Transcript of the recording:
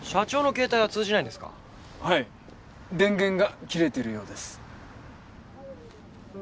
電源が切れてるようです。